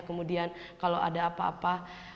kemudian kalau ada apa apa